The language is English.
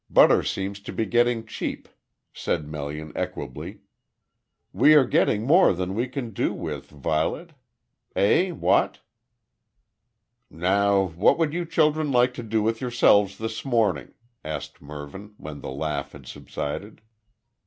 Butter seems to be getting cheap," said Melian, equably. "We are getting more than we can do with, Violet. Eh what?" "Now what would you children like to do with yourselves this morning?" asked Mervyn, when the laugh had subsided.